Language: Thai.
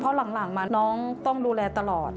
เพราะหลังมาน้องต้องดูแลตลอด